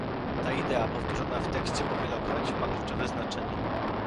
Ta idea, powtórzona w tekście po wielokroć, ma kluczowe znaczenie